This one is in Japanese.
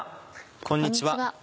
こんにちは。